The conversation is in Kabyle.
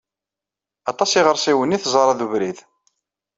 Aṭas iɣersiwen i teẓra d ubrid.